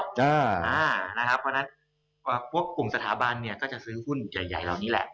เพราะฉะนั้นพวกกลุ่มสถาบันเนี่ยก็จะซื้อหุ้นใหญ่เหล่านี้แหละ